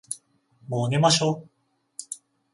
もう寝ましょ。